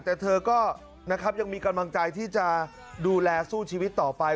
แต่เธอก็นะครับยังมีกำลังใจที่จะดูแลสู้ชีวิตต่อไป